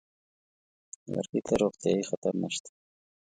لرګي ته روغتیايي خطر نشته.